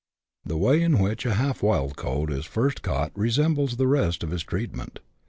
The way in which a half wild colt is first caught resembles the rest of his treatment.